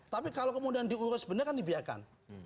tapi kalau kemudian diurus benar kan dibiarkan